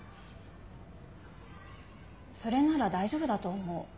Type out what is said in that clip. それなら大丈夫だと思う。